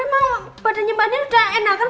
emang badannya mbak adin udah enakan